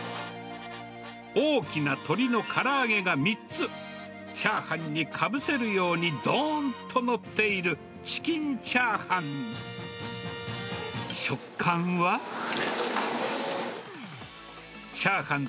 大きな鶏のから揚げが３つ、チャーハンにかぶせるようにどーんと載っているチキンチャーハン。